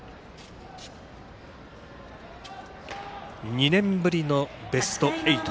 ２年ぶりのベスト８。